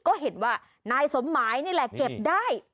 ก็เห็นว่านายสมหมายนี่แหละเก็บได้